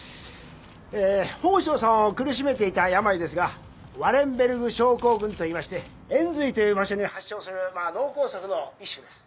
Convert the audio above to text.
えー宝生さんを苦しめていた病ですがワレンベルグ症候群といいまして延髄という場所に発症する脳梗塞の一種です。